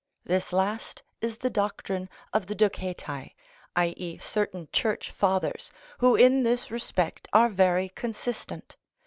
This last is the doctrine of the Docetæ, i.e., certain Church Fathers, who in this respect are very consistent.